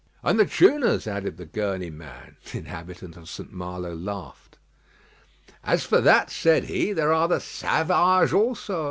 "And the Chouas," added the Guernsey man. The inhabitant of St. Malo laughed. "As for that," said he, "there are the Savages also."